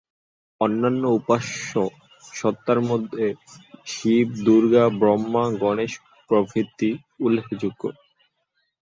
অন্যান্য উপাস্য সত্তার মধ্যে শিব, দুর্গা, ব্রহ্মা, গণেশ প্রভৃতি উল্লেখযোগ্য।